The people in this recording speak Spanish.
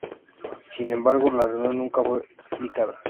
Sin embargo, la reunión nunca fue replicada.